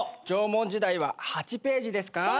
縄文時代は８ページですか。